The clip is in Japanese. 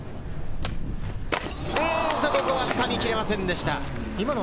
ここは掴みきれませんでした。